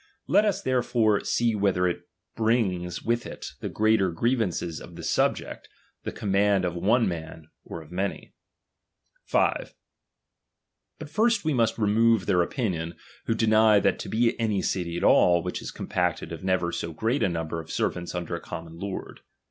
Let us therefore see whether brings with it the greater grievances to the subject, the command of one man, or of many. nf 5. But first we must remove their opinion, who latB deny that to be any city at all, which is compacted j^ of never so great a number of servants under a «<%■ common lord.